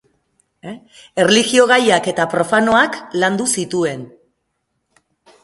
Erlijio-gaiak eta profanoak landu zituen.